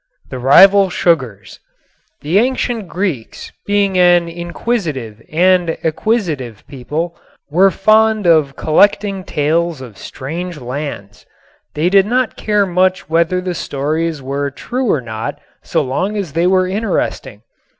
IX THE RIVAL SUGARS The ancient Greeks, being an inquisitive and acquisitive people, were fond of collecting tales of strange lands. They did not care much whether the stories were true or not so long as they were interesting.